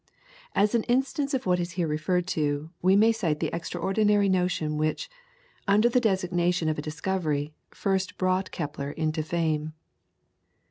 As an instance of what is here referred to, we may cite the extraordinary notion which, under the designation of a discovery, first brought Kepler into fame.